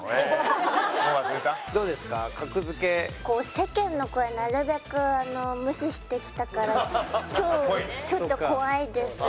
世間の声なるべく無視してきたから今日ちょっと怖いですね。